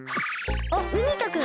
あっウニ太くん。